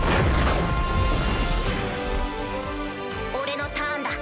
俺のターンだ。